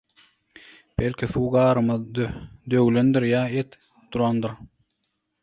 belki suw grandymyz döwlendir ýa-da et gutarandyr...